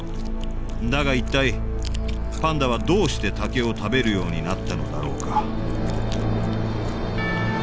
だが一体パンダはどうして竹を食べるようになったのだろうか